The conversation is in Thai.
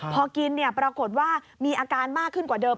พอกินปรากฏว่ามีอาการมากขึ้นกว่าเดิม